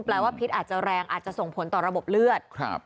ว่าพิษอาจจะแรงอาจจะส่งผลต่อระบบเลือด